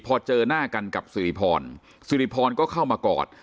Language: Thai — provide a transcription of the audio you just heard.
พอเจอหน้ากันกับสิริพรสิริพรก็เข้ามากอด